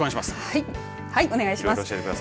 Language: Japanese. はい、お願いします。